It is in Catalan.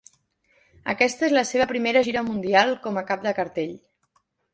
Aquesta és la seva primera gira mundial com a cap de cartell.